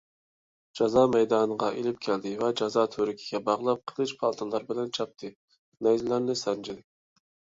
جازا مەيدانىغا ئېلىپ كەلدى ۋە جازا تۈۋرۈكىگە باغلاپ قىلىچ، پالتىلار بىلەن چاپتى، نەيزىلەرنى سانجىدى.